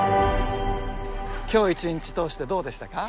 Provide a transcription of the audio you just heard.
今日一日通してどうでしたか？